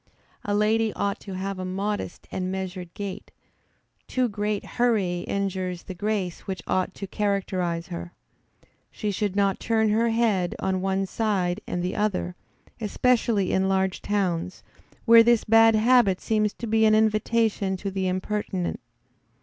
A lady ought to have a modest and measured gait; too great hurry injures the grace which ought to characterize her. She should not turn her head on one side and the other, especially in large towns, where this bad habit seems to be an invitation to the impertinent.